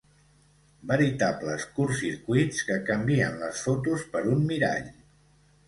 Veritables curtcircuits que canvien les fotos per un mirall.